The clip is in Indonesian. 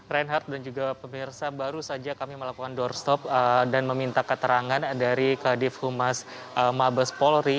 reinhardt dan juga pemirsa baru saja kami melakukan doorstop dan meminta keterangan dari kadif humas mabes polri